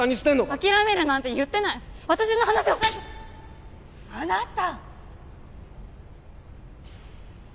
諦めるなんて言ってない私の話を最後あなた！